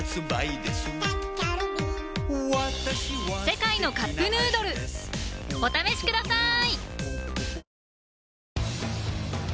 「世界のカップヌードル」お試しください！